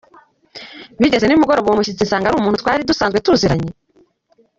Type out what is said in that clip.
Bigeze nimugoroba uwo mushitsi nasanze ari umuntu twari dusanzwe tuziranye!